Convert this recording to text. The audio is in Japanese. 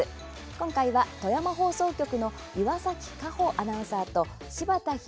今回は、富山放送局の岩崎果歩アナウンサーと柴田拡